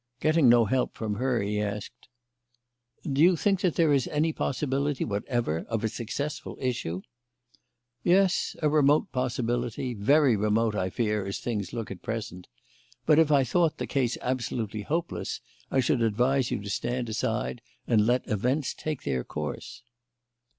Getting no help from her, he asked: "Do you think that there is any possibility whatever of a successful issue?" "Yes, a remote possibility very remote, I fear, as things look at present; but if I thought the case absolutely hopeless I should advise you to stand aside and let events take their course."